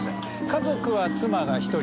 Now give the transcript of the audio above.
家族は妻が１人。